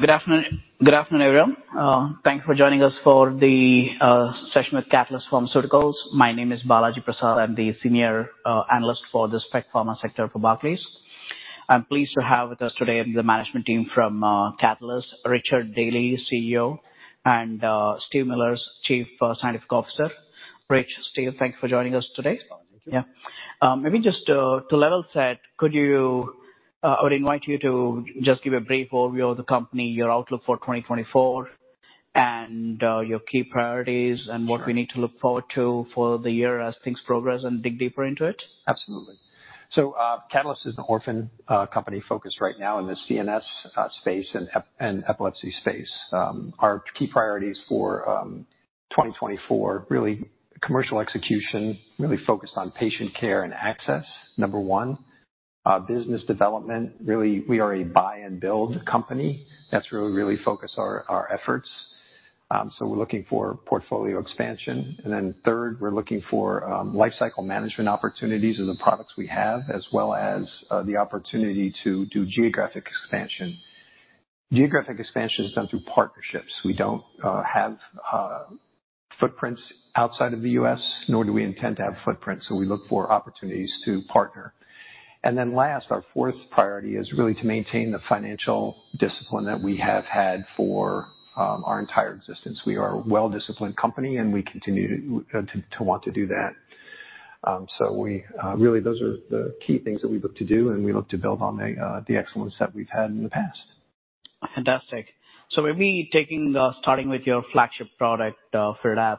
Good afternoon. Good afternoon, everyone. Thank you for joining us for the session with Catalyst Pharmaceuticals. My name is Balaji Prasad. I'm the senior analyst for the Spec Pharma sector for Barclays. I'm pleased to have with us today the management team from Catalyst, Richard Daly, CEO, and Steve Miller, Chief Scientific Officer. Rich, Steve, thank you for joining us today. Thank you. Yeah. Maybe just to level set, I would invite you to just give a brief overview of the company, your outlook for 2024, and your key priorities- Sure. What we need to look forward to for the year as things progress and dig deeper into it. Absolutely. So, Catalyst is an orphan company focused right now in the CNS space and epilepsy space. Our key priorities for 2024, really commercial execution, really focused on patient care and access, number one. Business development, really, we are a buy and build company. That's where we really focus our efforts, so we're looking for portfolio expansion. And then third, we're looking for lifecycle management opportunities of the products we have, as well as the opportunity to do geographic expansion. Geographic expansion is done through partnerships. We don't have footprints outside of the U.S., nor do we intend to have footprints, so we look for opportunities to partner. And then last, our fourth priority is really to maintain the financial discipline that we have had for our entire existence. We are a well-disciplined company, and we continue to want to do that. So we really, those are the key things that we look to do, and we look to build on the excellence that we've had in the past. Fantastic. So maybe starting with your flagship product, Firdapse.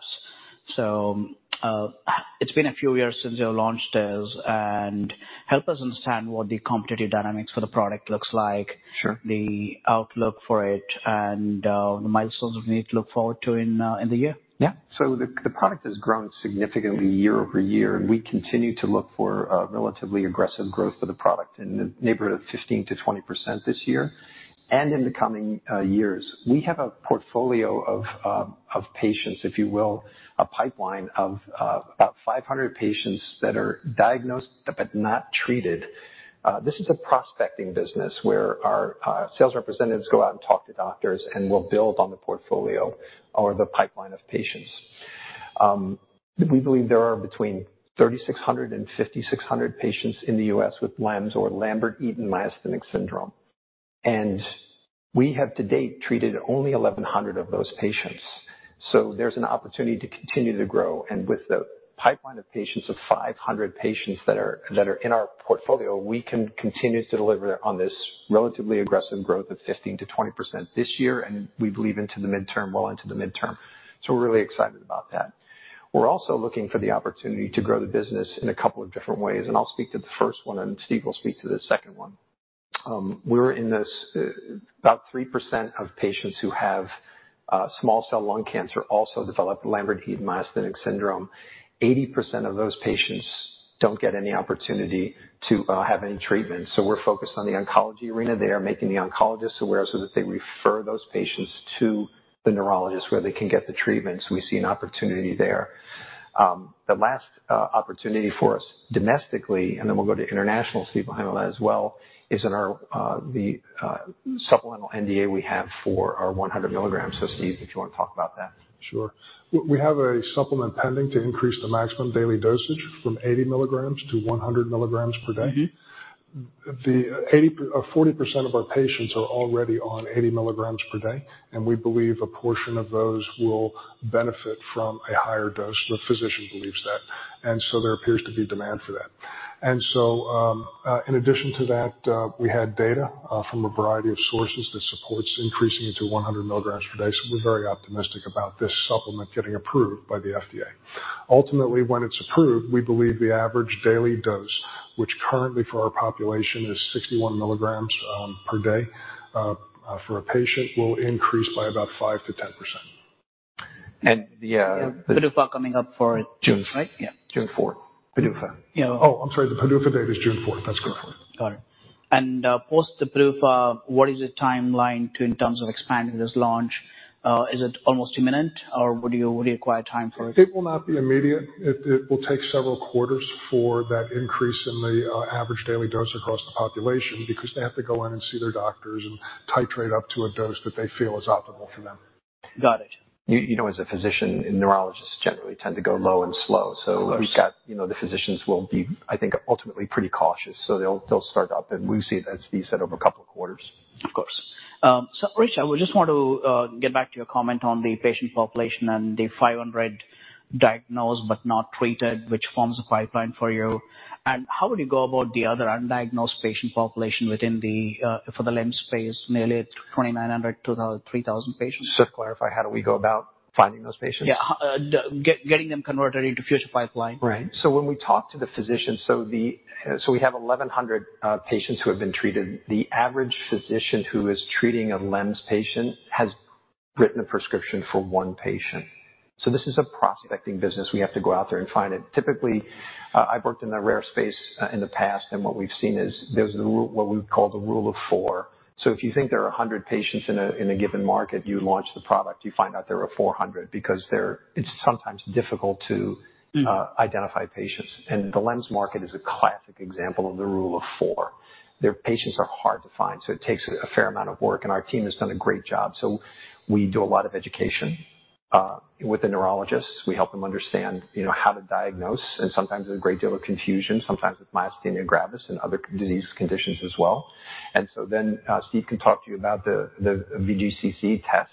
So, it's been a few years since you launched this, and help us understand what the competitive dynamics for the product looks like? Sure. the outlook for it and the milestones we need to look forward to in the year. Yeah. So the product has grown significantly year-over-year, and we continue to look for relatively aggressive growth for the product in the neighborhood of 15%-20% this year, and in the coming years. We have a portfolio of patients, if you will, a pipeline of about 500 patients that are diagnosed, but not treated. This is a prospecting business where our sales representatives go out and talk to doctors and will build on the portfolio or the pipeline of patients. We believe there are between 3,600 and 5,600 patients in the US with LEMS or Lambert-Eaton Myasthenic Syndrome, and we have to date treated only 1,100 of those patients. So there's an opportunity to continue to grow, and with the pipeline of patients of 500 patients that are in our portfolio, we can continue to deliver on this relatively aggressive growth of 15%-20% this year, and we believe into the midterm, well into the midterm. So we're really excited about that. We're also looking for the opportunity to grow the business in a couple of different ways, and I'll speak to the first one, and Steve will speak to the second one. About 3% of patients who have small cell lung cancer also develop Lambert-Eaton myasthenic syndrome. 80% of those patients don't get any opportunity to have any treatment, so we're focused on the oncology arena. They are making the oncologist aware so that they refer those patients to the neurologist, where they can get the treatment, so we see an opportunity there. The last opportunity for us domestically, and then we'll go to international, Steve will handle that as well, is in our supplemental NDA we have for our 100 mg. So, Steve, if you want to talk about that. Sure. We have a supplement pending to increase the maximum daily dosage from 80 mg to 100 mg per day. Mm-hmm. 80% of our patients are already on 80 mg per day, and we believe a portion of those will benefit from a higher dose. The physician believes that, and so there appears to be demand for that. And so, in addition to that, we had data from a variety of sources that supports increasing it to 100 mg per day, so we're very optimistic about this supplement getting approved by the FDA. Ultimately, when it's approved, we believe the average daily dose, which currently for our population is 61 mg per day for a patient, will increase by about 5%-10%. The PDUFA coming up for June, right? Yeah, June fourth. PDUFA. Oh, I'm sorry. The PDUFA date is June fourth. That's correct. Got it. And, post the PDUFA, what is the timeline to, in terms of expanding this launch? Is it almost imminent, or would you acquire time for it? It will not be immediate. It will take several quarters for that increase in the average daily dose across the population, because they have to go in and see their doctors and titrate up to a dose that they feel is optimal for them. Got it. You know, as a physician, and neurologists generally tend to go low and slow. Of course. So we've got... You know, the physicians will be, I think, ultimately pretty cautious, so they'll start up, and we see that, as we said, over a couple of quarters. Of course. So Rich, I just want to get back to your comment on the patient population and the 500 diagnosed, but not treated, which forms a pipeline for you. And how would you go about the other undiagnosed patient population within the, for the LEMS space, nearly 2,900-3,000 patients? Just to clarify, how do we go about finding those patients? Yeah, getting them converted into future pipeline. Right. So when we talk to the physicians, so we have 1,100 patients who have been treated. The average physician who is treating a LEMS patient has written a prescription for one patient. So this is a prospecting business. We have to go out there and find it. Typically, I've worked in the rare space in the past, and what we've seen is there's the rule-what we call the rule of four. So if you think there are 100 patients in a given market, you launch the product, you find out there are 400, because there-it's sometimes difficult to- Mm. Identify patients. And the LEMS market is a classic example of the rule of four. Their patients are hard to find, so it takes a fair amount of work, and our team has done a great job. So we do a lot of education with the neurologists. We help them understand, you know, how to diagnose, and sometimes there's a great deal of confusion, sometimes with myasthenia gravis and other disease conditions as well. And so then, Steve can talk to you about the VGCC test.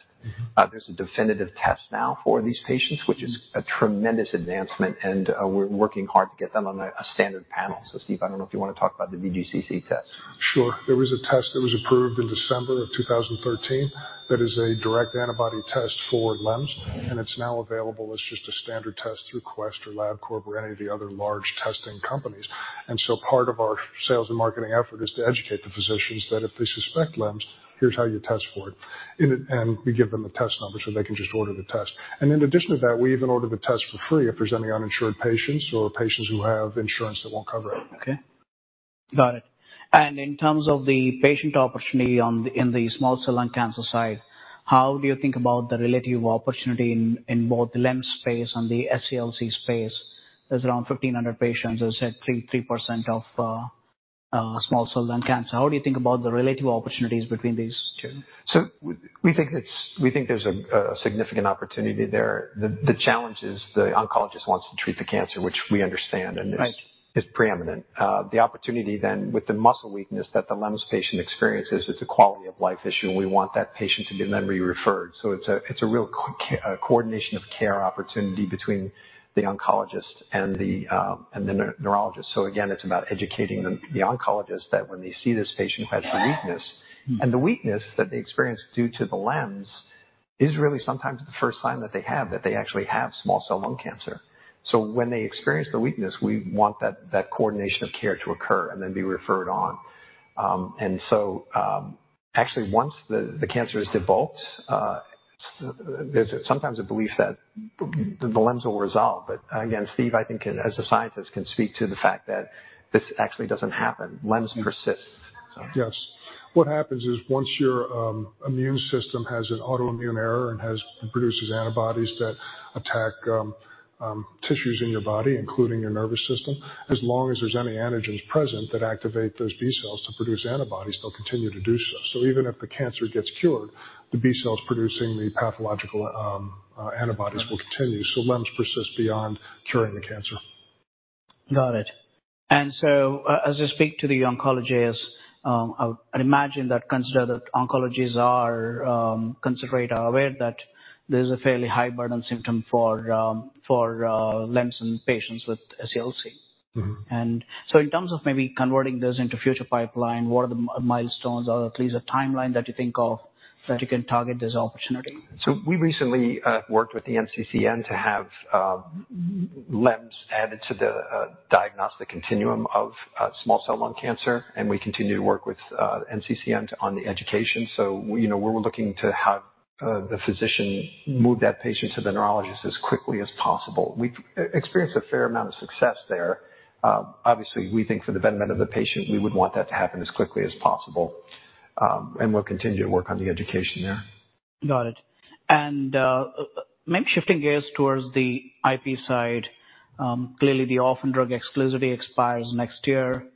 There's a definitive test now for these patients, which is a tremendous advancement, and we're working hard to get them on a standard panel. So Steve, I don't know if you wanna talk about the VGCC test. Sure. There was a test that was approved in December of 2013. That is a direct antibody test for LEMS, and it's now available as just a standard test through Quest or LabCorp or any of the other large testing companies. And so part of our sales and marketing effort is to educate the physicians that if they suspect LEMS, here's how you test for it. And we give them the test number, so they can just order the test. And in addition to that, we even order the test for free if there's any uninsured patients or patients who have insurance that won't cover it. Okay. Got it. And in terms of the patient opportunity on the... in the small cell lung cancer side, how do you think about the relative opportunity in, in both the LEMS space and the SCLC space? There's around 1,500 patients, as I said, 3% of small cell lung cancer. How do you think about the relative opportunities between these two? So we think it's... We think there's a significant opportunity there. The challenge is the oncologist wants to treat the cancer, which we understand. Right. and is preeminent. The opportunity then, with the muscle weakness that the LEMS patient experiences, it's a quality of life issue, and we want that patient to then be referred. So it's a real coordination of care opportunity between the oncologist and the neurologist. So again, it's about educating the oncologist that when they see this patient who has the weakness, and the weakness that they experience due to the LEMS, is really sometimes the first sign that they have, that they actually have small cell lung cancer. So when they experience the weakness, we want that coordination of care to occur, and then be referred on. And so, actually, once the cancer is divulged, there's sometimes a belief that the LEMS will resolve. But again, Steve, I think, as a scientist, can speak to the fact that this actually doesn't happen. LEMS persists, so. Yes. What happens is once your immune system has an autoimmune error and produces antibodies that attack tissues in your body, including your nervous system, as long as there's any antigens present that activate those B cells to produce antibodies, they'll continue to do so. So even if the cancer gets cured, the B cells producing the pathological antibodies will continue. So LEMS persists beyond curing the cancer. Got it. And so as you speak to the oncologists, I'd imagine that oncologists are considerably aware that there's a fairly high burden symptom for LEMS in patients with SCLC. Mm-hmm. So in terms of maybe converting this into future pipeline, what are the milestones or at least a timeline that you think of, that you can target this opportunity? So we recently worked with the NCCN to have LEMS added to the diagnostic continuum of small cell lung cancer, and we continue to work with NCCN on the education. So, you know, we're looking to have the physician move that patient to the neurologist as quickly as possible. We've experienced a fair amount of success there. Obviously, we think for the benefit of the patient, we would want that to happen as quickly as possible. And we'll continue to work on the education there. Got it. And shifting gears towards the IP side, clearly, the Orphan Drug exclusivity expires next year,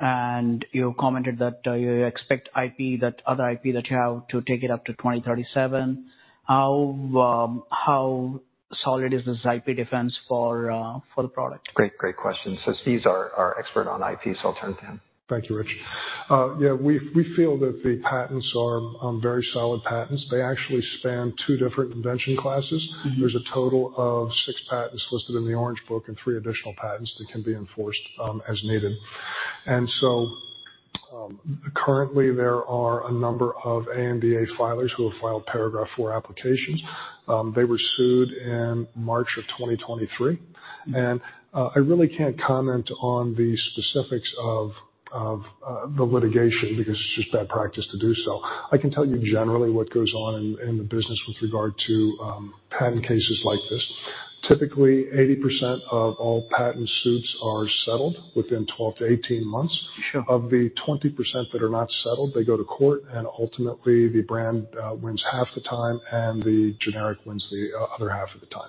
and you commented that you expect IP, that other IP that you have, to take it up to 2037. How solid is this IP defense for the product? Great, great question. So Steve's our expert on IP, so I'll turn to him. Thank you, Rich. Yeah, we feel that the patents are very solid patents. They actually span two different invention classes. Mm-hmm. There's a total of six patents listed in the Orange Book and three additional patents that can be enforced, as needed. And so, currently, there are a number of ANDA filers who have filed Paragraph IV applications. They were sued in March 2023. And, I really can't comment on the specifics of the litigation because it's just bad practice to do so. I can tell you generally what goes on in the business with regard to patent cases like this. Typically, 80% of all patent suits are settled within 12-18 months. Sure. Of the 20% that are not settled, they go to court, and ultimately, the brand wins half the time, and the generic wins the other half of the time.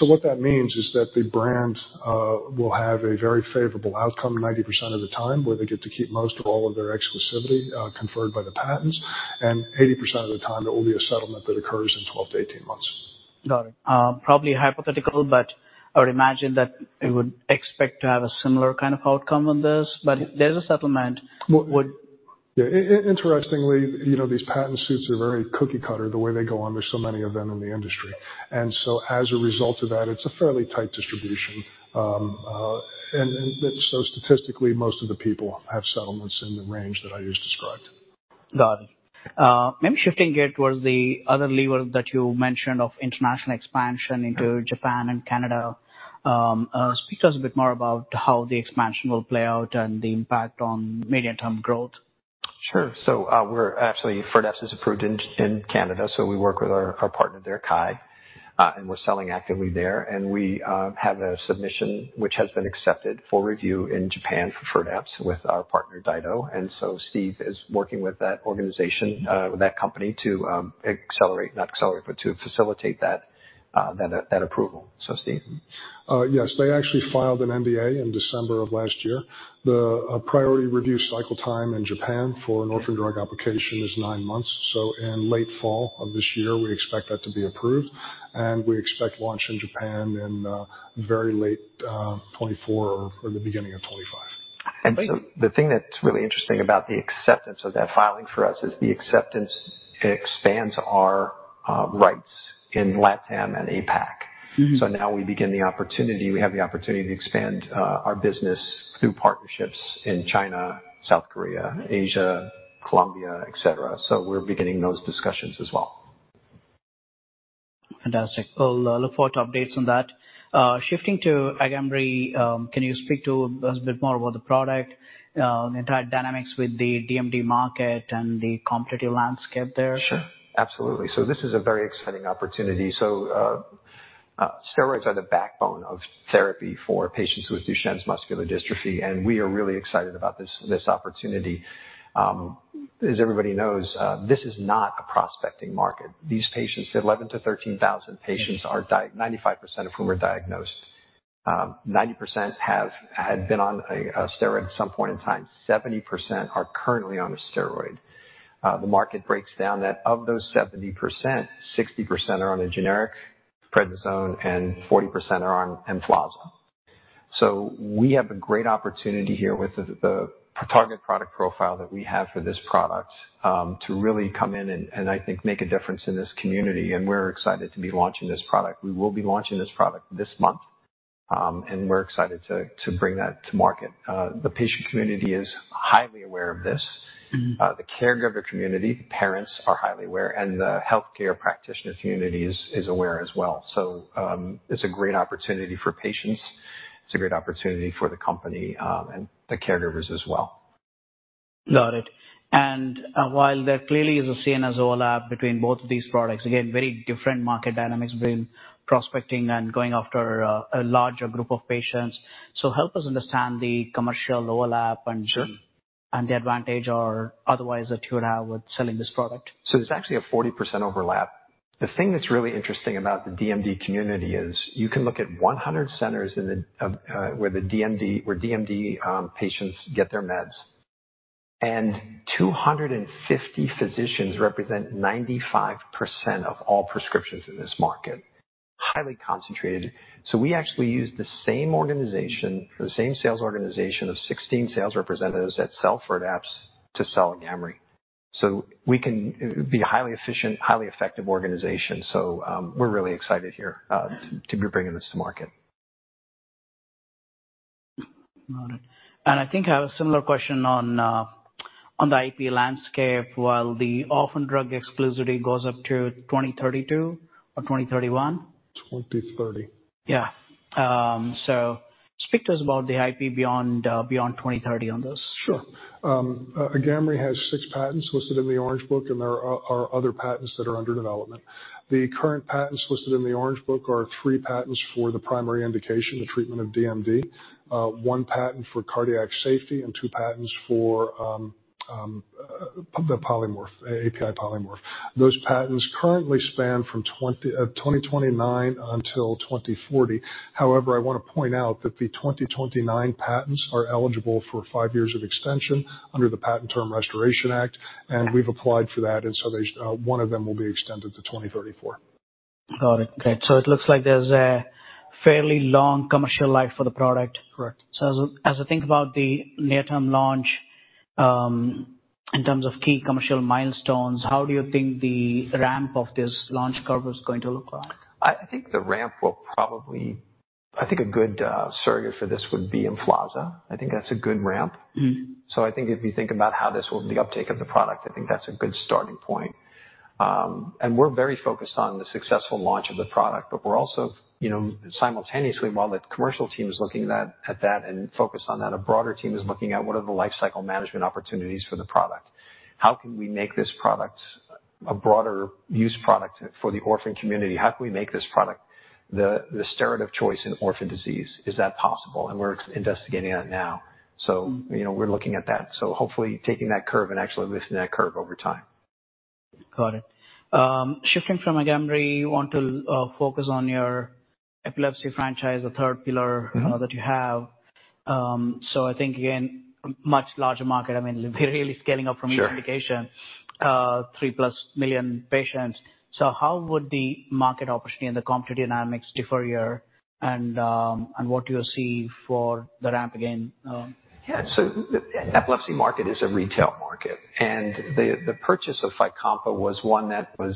So what that means is that the brand will have a very favorable outcome 90% of the time, where they get to keep most of all of their exclusivity conferred by the patents, and 80% of the time, there will be a settlement that occurs in 12-18 months. Got it. Probably hypothetical, but I would imagine that it would expect to have a similar kind of outcome on this, but there's a settlement. Well, what- Yeah. Interestingly, you know, these patent suits are very cookie cutter, the way they go on. There's so many of them in the industry. And so as a result of that, it's a fairly tight distribution. And so statistically, most of the people have settlements in the range that I just described. Got it. Maybe shifting gear towards the other lever that you mentioned of international expansion into Japan and Canada, speak to us a bit more about how the expansion will play out and the impact on medium-term growth? Sure. So, we're... Actually, Firdapse is approved in Canada, so we work with our partner there, KYE, and we're selling actively there. And we have a submission, which has been accepted for review in Japan for Firdapse with our partner, DyDo. And so Steve is working with that organization, with that company to accelerate... not accelerate, but to facilitate that approval. So, Steve? Yes, they actually filed an NDA in December of last year. The priority review cycle time in Japan for an orphan drug application is nine months. So in late fall of this year, we expect that to be approved, and we expect launch in Japan in very late 2024 or the beginning of 2025.... And so the thing that's really interesting about the acceptance of that filing for us is the acceptance expands our rights in LATAM and APAC. Mm-hmm. We have the opportunity to expand our business through partnerships in China, South Korea, Asia, Colombia, et cetera. So we're beginning those discussions as well. Fantastic. Well, look forward to updates on that. Shifting to Agamree, can you speak to us a bit more about the product, the entire dynamics with the DMD market and the competitive landscape there? Sure, absolutely. So this is a very exciting opportunity. So, steroids are the backbone of therapy for patients with Duchenne muscular dystrophy, and we are really excited about this, this opportunity. As everybody knows, this is not a prospecting market. These patients, 11,000-13,000 patients, 95% of whom are diagnosed. 90% had been on a steroid at some point in time. 70% are currently on a steroid. The market breaks down that of those 70%, 60% are on a generic prednisone, and 40% are on Emflaza. So we have a great opportunity here with the, the target product profile that we have for this product, to really come in and I think make a difference in this community, and we're excited to be launching this product. We will be launching this product this month. We're excited to bring that to market. The patient community is highly aware of this. Mm-hmm. The caregiver community, the parents are highly aware, and the healthcare practitioner community is aware as well. So, it's a great opportunity for patients. It's a great opportunity for the company, and the caregivers as well. Got it. And, while there clearly is a CNS overlap between both of these products, again, very different market dynamics between prospecting and going after, a larger group of patients. So help us understand the commercial overlap and- Sure. and the advantage or otherwise that you would have with selling this product. So there's actually a 40% overlap. The thing that's really interesting about the DMD community is you can look at 100 centers where DMD patients get their meds, and 250 physicians represent 95% of all prescriptions in this market. Highly concentrated. So we actually use the same organization, the same sales organization of 16 sales representatives that sell Firdapse to sell Agamree. So we can be a highly efficient, highly effective organization. So, we're really excited here to be bringing this to market. Got it. And I think I have a similar question on the IP landscape. While the orphan drug exclusivity goes up to 2032 or 2031? 2030. Yeah. So speak to us about the IP beyond, beyond 2030 on this. Sure. Agamree has six patents listed in the Orange Book, and there are other patents that are under development. The current patents listed in the Orange Book are three patents for the primary indication, the treatment of DMD, one patent for cardiac safety, and two patents for the polymorph, API polymorph. Those patents currently span from 2029 until 2040. However, I want to point out that the 2029 patents are eligible for five years of extension under the Patent Term Restoration Act, and we've applied for that, and so they one of them will be extended to 2034. Got it. Great. So it looks like there's a fairly long commercial life for the product. Correct. So as I think about the near-term launch, in terms of key commercial milestones, how do you think the ramp of this launch curve is going to look like? I think the ramp will probably... I think a good surrogate for this would be Emflaza. I think that's a good ramp. Mm-hmm. So I think if you think about how this will, the uptake of the product, I think that's a good starting point. And we're very focused on the successful launch of the product, but we're also, you know, simultaneously, while the commercial team is looking at that, at that and focused on that, a broader team is looking at what are the lifecycle management opportunities for the product? How can we make this product a broader use product for the orphan community? How can we make this product the, the steroid of choice in orphan disease? Is that possible? And we're investigating that now. So- Mm-hmm. You know, we're looking at that. So hopefully taking that curve and actually lifting that curve over time. Got it. Shifting from Agamree, want to focus on your epilepsy franchise, the third pillar- Mm-hmm. that you have. So I think, again, much larger market. I mean, we're really scaling up from- Sure. Indication, 3 million+ patients. So how would the market opportunity and the competitive dynamics differ here, and what do you see for the ramp again? Yeah. So the epilepsy market is a retail market, and the purchase of FYCOMPA was one that was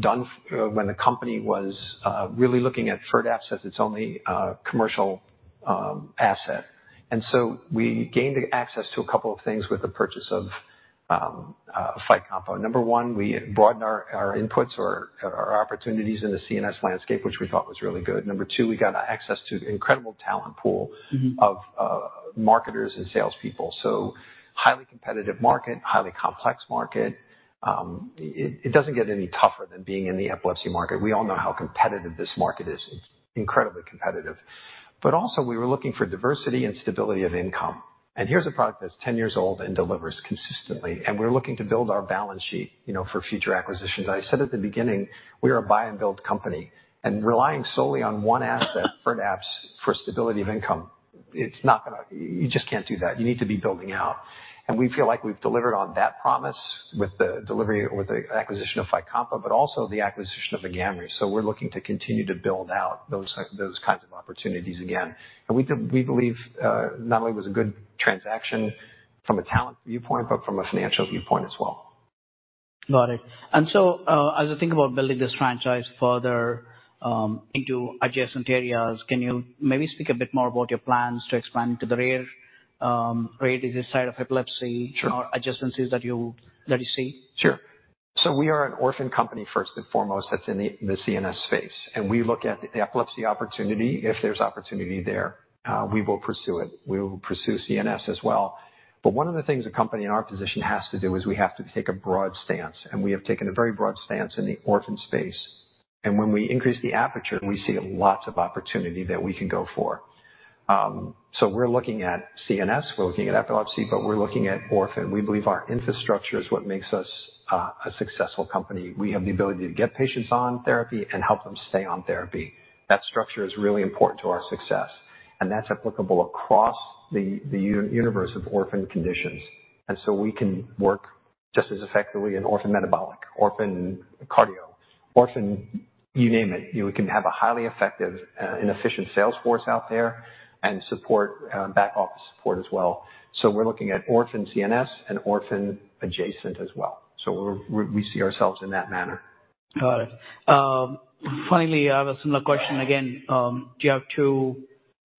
done when the company was really looking at FIRDAPSE as its only commercial asset. And so we gained access to a couple of things with the purchase of Fycompa. Number 1, we broadened our inputs or our opportunities in the CNS landscape, which we thought was really good. Number 2, we got access to an incredible talent pool- Mm-hmm. of marketers and salespeople. So highly competitive market, highly complex market. It doesn't get any tougher than being in the epilepsy market. We all know how competitive this market is. Incredibly competitive. But also, we were looking for diversity and stability of income. And here's a product that's 10 years old and delivers consistently, and we're looking to build our balance sheet, you know, for future acquisitions. I said at the beginning, we are a buy and build company, and relying solely on one asset, Firdapse, for stability of income, it's not gonna... You just can't do that. You need to be building out. And we feel like we've delivered on that promise with the delivery, with the acquisition of Fycompa, but also the acquisition of Agamree. So we're looking to continue to build out those kinds of opportunities again. We believe not only was it a good transaction from a talent viewpoint, but from a financial viewpoint as well.... Got it. And so, as I think about building this franchise further into adjacent areas, can you maybe speak a bit more about your plans to expand into the rare rare disease side of epilepsy? Sure. Or adjacencies that you see? Sure. So we are an orphan company first and foremost, that's in the CNS space. And we look at the epilepsy opportunity. If there's opportunity there, we will pursue it. We will pursue CNS as well. But one of the things a company in our position has to do is we have to take a broad stance, and we have taken a very broad stance in the orphan space. And when we increase the aperture, we see lots of opportunity that we can go for. So we're looking at CNS, we're looking at epilepsy, but we're looking at orphan. We believe our infrastructure is what makes us a successful company. We have the ability to get patients on therapy and help them stay on therapy. That structure is really important to our success, and that's applicable across the universe of orphan conditions. And so we can work just as effectively in orphan metabolic, orphan cardio, orphan... You name it. We can have a highly effective and efficient sales force out there, and support, back office support as well. So we're looking at orphan CNS and orphan adjacent as well. So we see ourselves in that manner. Got it. Finally, I have a similar question again. Do you have two,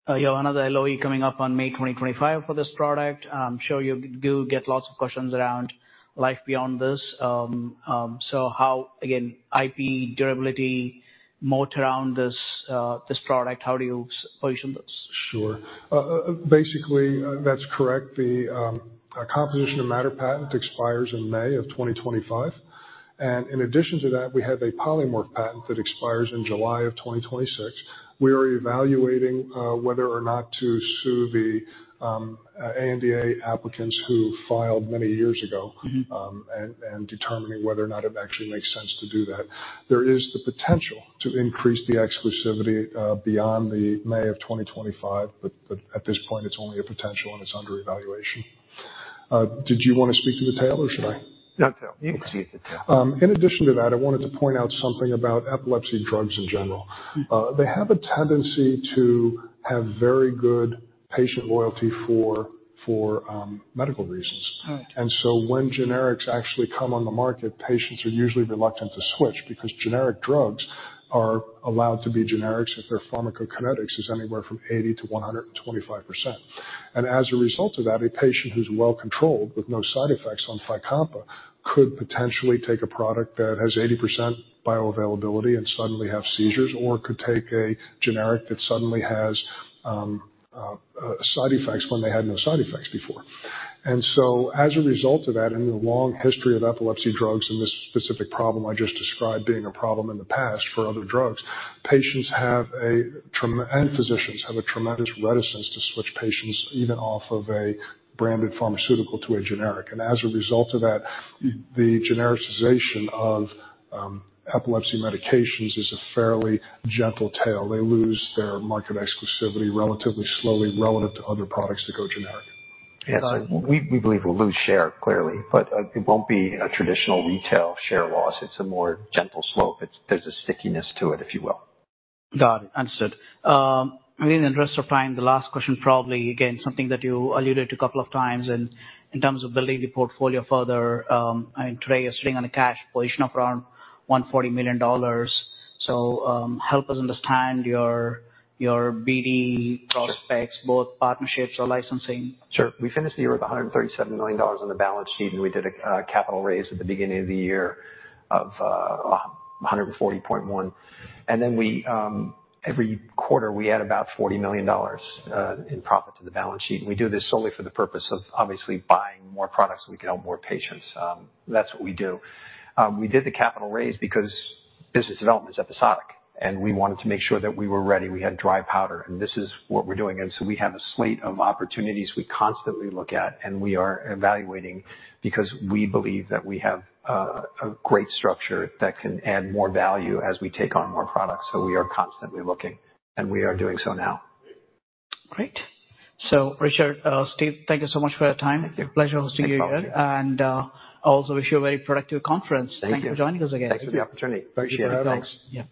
you have another LOE coming up on May 2025 for this product. I'm sure you do get lots of questions around life beyond this. So how, again, IP durability, moat around this, this product, how do you position this? Sure. Basically, that's correct. The composition of matter patent expires in May of 2025. In addition to that, we have a polymorph patent that expires in July of 2026. We are evaluating whether or not to sue the ANDA applicants who filed many years ago. Mm-hmm. Determining whether or not it actually makes sense to do that. There is the potential to increase the exclusivity beyond May 2025, but at this point, it's only a potential, and it's under evaluation. Did you want to speak to the tail, or should I? No, you can speak to the tail. In addition to that, I wanted to point out something about epilepsy drugs in general. Mm. They have a tendency to have very good patient loyalty for medical reasons. Right. When generics actually come on the market, patients are usually reluctant to switch, because generic drugs are allowed to be generics if their pharmacokinetics is anywhere from 80%-125%. And as a result of that, a patient who's well controlled with no side effects on Fycompa could potentially take a product that has 80% bioavailability and suddenly have seizures, or could take a generic that suddenly has side effects when they had no side effects before. And so, as a result of that, in the long history of epilepsy drugs and this specific problem I just described being a problem in the past for other drugs, patients have a and physicians have a tremendous reticence to switch patients, even off of a branded pharmaceutical to a generic. As a result of that, the genericization of epilepsy medications is a fairly gentle tail. They lose their market exclusivity relatively slowly, relevant to other products that go generic. Yeah. We believe we'll lose share, clearly, but it won't be a traditional retail share loss. It's a more gentle slope. It's, there's a stickiness to it, if you will. Got it. Understood. I mean, in the interest of time, the last question, probably, again, something that you alluded to a couple of times in terms of building the portfolio further. And today, you're sitting on a cash position of around $140 million. Help us understand your BD prospects- Sure. - both partnerships or licensing. Sure. We finished the year with $137 million on the balance sheet, and we did a capital raise at the beginning of the year of $140.1 million. Then every quarter, we add about $40 million in profit to the balance sheet. We do this solely for the purpose of obviously buying more products, so we can help more patients. That's what we do. We did the capital raise because business development is episodic, and we wanted to make sure that we were ready, we had dry powder, and this is what we're doing. So we have a slate of opportunities we constantly look at, and we are evaluating, because we believe that we have a great structure that can add more value as we take on more products. We are constantly looking, and we are doing so now. Great. So Richard, Steve, thank you so much for your time. Thank you. Pleasure hosting you here. Thanks for having us. Also wish you a very productive conference. Thank you. Thank you for joining us again. Thanks for the opportunity. Appreciate it. Thanks. Yeah.